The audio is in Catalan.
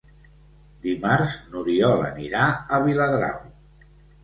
Dimarts n'Oriol anirà a Viladrau.